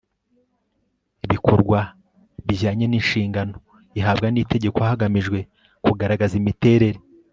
bikorwa bijyanye n inshingano ihabwa n Itegeko hagamijwe kugaragaza imiterere